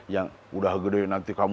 yang udah gede nanti kamu